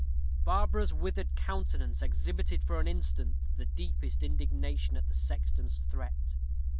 Barbara's withered countenance exhibited for an instant the deepest indignation at the sexton's threat.